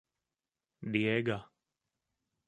Diega.